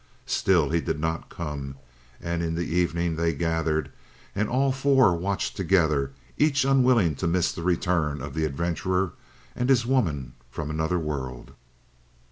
Still he did not come, and in the evening they gathered, and all four watched together, each unwilling to miss the return of the adventurer and his woman from another world.